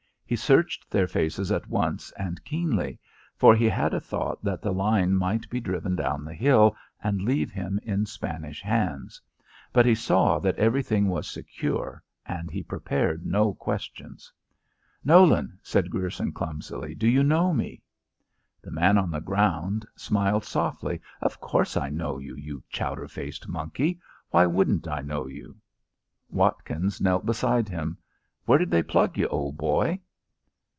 He searched their faces at once and keenly, for he had a thought that the line might be driven down the hill and leave him in Spanish hands. But he saw that everything was secure, and he prepared no questions. "Nolan," said Grierson clumsily, "do you know me?" The man on the ground smiled softly. "Of course I know you, you chowder faced monkey. Why wouldn't I know you?" Watkins knelt beside him. "Where did they plug you, old boy?"